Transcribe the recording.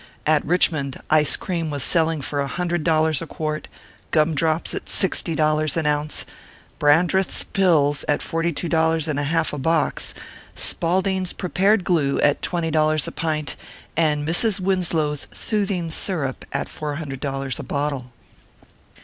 At Kichmond, ice cream was selling for a hundred dollars a quart, gum drops at sixty dollars an ounce, Brandreth s Pills at forty two dollars and a half a box, Spaulding s Prepared Glue at twenty dollars a pint, and Mrs. Winslow s Soothing Syrup at four hundred dollars a ORPHEUS C. KERR PAPERS. 95 bottle.